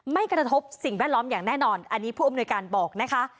ไม่กระทบสิ่งแวดล้อมอย่างแน่นอนอันนี้ผู้อำนวยการบอกนะคะ